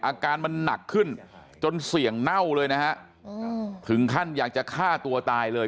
อาการมันหนักขึ้นจนเสี่ยงเน่าเลยนะฮะถึงขั้นอยากจะฆ่าตัวตายเลย